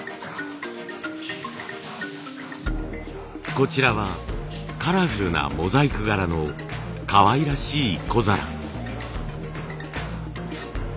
こちらはカラフルなモザイク柄のかわいらしい小皿。